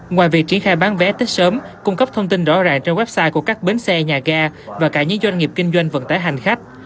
ngoài việc triển khai bán vé tết sớm cung cấp thông tin rõ ràng trên website của các bến xe nhà ga và cả những doanh nghiệp kinh doanh vận tải hành khách